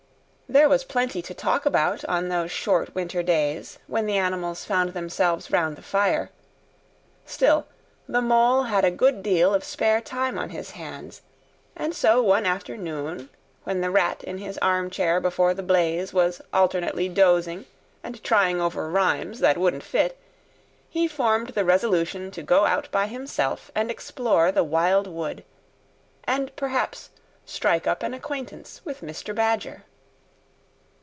There was plenty to talk about on those short winter days when the animals found themselves round the fire; still, the Mole had a good deal of spare time on his hands, and so one afternoon, when the Rat in his arm chair before the blaze was alternately dozing and trying over rhymes that wouldn't fit, he formed the resolution to go out by himself and explore the Wild Wood, and perhaps strike up an acquaintance with Mr. Badger.